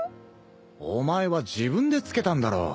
お前は自分でつけたんだろ。